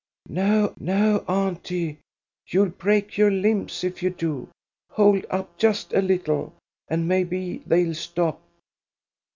"No, no, auntie, you'll break your limbs if you do. Hold up, just a little, and maybe they'll stop."